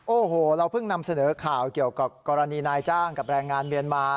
โอ้โหเราเพิ่งนำเสนอข่าวเกี่ยวกับกรณีนายจ้างกับแรงงานเมียนมา